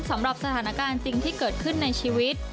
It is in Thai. สำหรับสถานการณ์จริงที่เกิดขึ้นในชีวิต